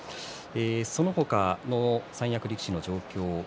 その他の三役力士の状況です。